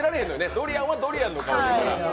ドリアンはドリアンの香りだから。